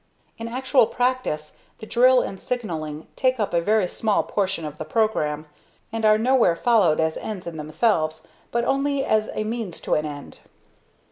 In actual practice the drill and signalling take up a very small portion of the program, and are nowhere followed as ends in themselves, but only as a means to an end.